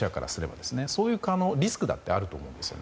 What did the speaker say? そういうリスクもあると思うんですね。